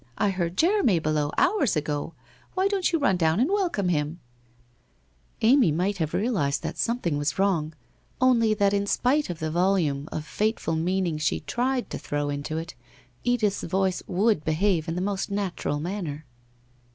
I heard Jeremy below! Hours ago. Why don't you run down and welcome him ?' Amy might have realized that something was wrong, WHITE ROSE OF WEARY LEAF 175 only that in spite of the volume of fateful meaning she tried to throw into it, Edith's voice would behave in the most natural manner.